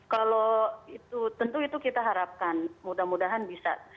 kalau itu tentu itu kita harapkan mudah mudahan bisa